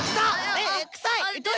ええくさい！